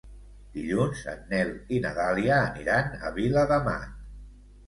Dilluns en Nel i na Dàlia aniran a Viladamat.